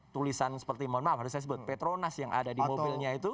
tulisan seperti mohon maaf harus saya sebut petronas yang ada di mobilnya itu